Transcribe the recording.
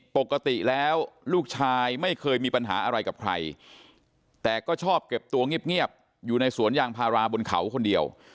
ปกติแล้วลูกชายไม่เคยมีปัญหาอะไรกับใครแต่ก็ชอบเก็บตัวเงียบอยู่ในสวนยางพาราบนเขาคนเดียว